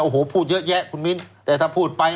โอ้โหพูดเยอะแยะคุณมิ้นแต่ถ้าพูดไป